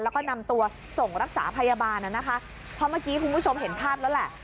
แล้วก็นำตัวส่งรักษาพยาบาลน่ะนะคะเพราะเมื่อกี้คุณผู้ชมเห็นภาพแล้วแหละ